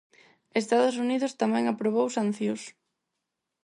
Estados Unidos tamén aprobou sancións.